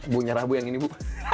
bu nyerah bu yang ini bu